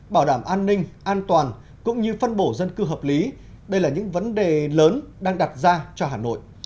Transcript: bảo đảm an ninh an toàn cũng như phân bổ dân cư hợp lý đây là những vấn đề lớn đang đặt ra cho hà nội